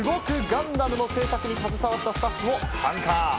ガンダムの制作に携わったスタッフも参加。